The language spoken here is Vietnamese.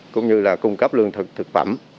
cũng như là cung cấp lương thực thực phẩm